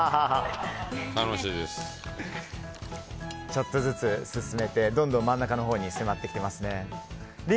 ちょっとずつ進めてどんどん真ん中のほうに迫ってきていますね。